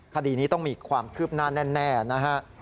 คดีนี้ต้องมีความคืบหน้าแน่นะฮะ